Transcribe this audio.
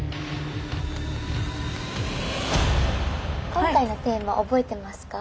今回のテーマ覚えてますか？